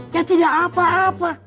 ya tidak apa apa